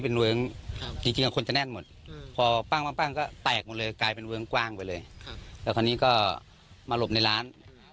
เพราะว่าพวกลูกค้าเขาก็จะมาหลบในร้าน